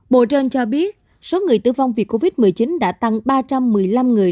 bộ trên cho biết số người tử vong vì covid một mươi chín đã tăng ba trăm một mươi năm người